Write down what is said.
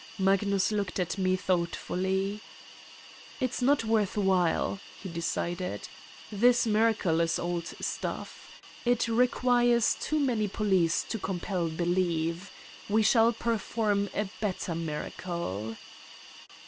Magnus looked at me thoughtfully. '' It 's not worth while, '' he decided. '' This mir acle is old stuff. It requires too many police to compel belief. We shall perform a better miracle."